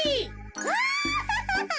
アハハハ！